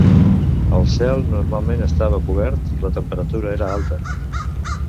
El cel normalment estava cobert i la temperatura era alta.